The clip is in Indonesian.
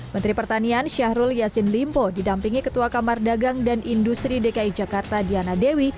menteri pertanian syahrul yassin limpo didampingi ketua kamar dagang dan industri dki jakarta diana dewi